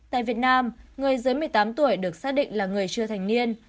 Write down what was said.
tại việt nam người dưới một mươi tám tuổi được xác định là người chưa thành niên